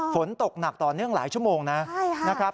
ฝนตกหนักต่อเนื่องหลายชั่วโมงนะครับ